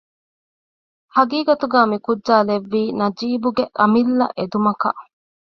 ހަޤީޤަތުގައި މިކުއްޖާ ލެއްވީ ނަޖީބުގެ އަމިއްލަ އެދުމަކަށް